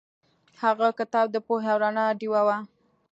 هغه کتاب د پوهې او رڼا ډیوه وه.